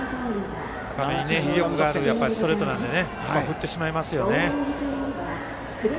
高めに威力があるストレートなので振ってしまいますよね。